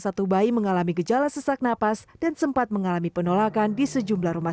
satu bayi mengalami gejala sesak napas dan sempat mengalami penolakan di sejumlah rumah